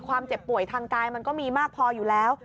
เจ็บป่วยทางกายมันก็มีมากพออยู่แล้ว